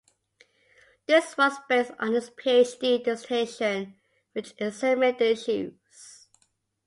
This was based on his PhD dissertation, which examined the issues.